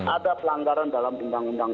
ada pelanggaran dalam undang undang